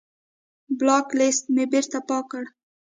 بلاک لست مې بېرته پاک کړ.